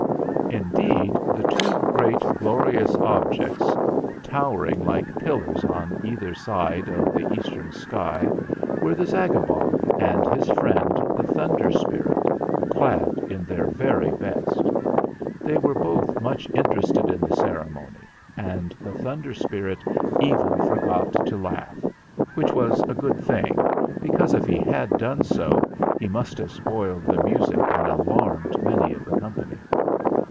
Indeed, the two great glorious objects, tow ering like pillars on either side of the eastern sky, were the Zagabog and his friend the Thunder Spirit, clad in their very best. They were both much interested in the ceremony, and the Thunder Spirit even forgot to laugh; which was a good thing, because if he had done so he must have spoiled the music and alarmed many of the company.